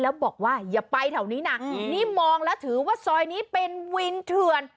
แล้วบอกว่าอย่าไปแถวนี้นะนี่มองแล้วถือว่าซอยนี้เป็นวินเถื่อน